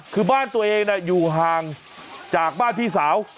คือบ้านตัวเองอยู่ห่างจากบ้านพี่สาว